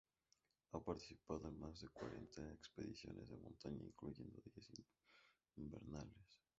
Ha participado en más de cuarenta expediciones de montaña incluyendo diez invernales.